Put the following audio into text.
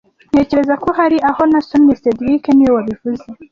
Ntekereza ko hari aho nasomye cedric niwe wabivuze